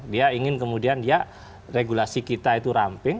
dia ingin kemudian dia regulasi kita itu ramping